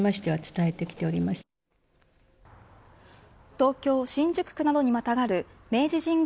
東京・新宿区などにまたがる明治神宮